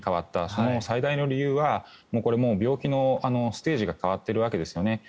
その最大の理由はこれは病気のステージが変わっているわけですよね。